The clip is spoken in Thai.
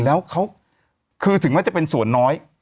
แล้วเขาคือถึงแม้จะเป็นส่วนน้อย